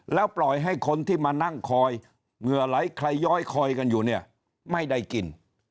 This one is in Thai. แล้วปล่อยให้คนที่มานั่งคอยเหงื่อไหลใครย้อยคอยกันอยู่เนี่ยไม่ได้กิน